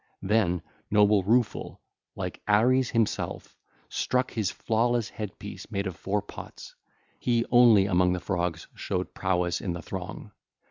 Then noble Rueful, like Ares himself, struck his flawless head piece made of four pots—he only among the Frogs showed prowess in the throng.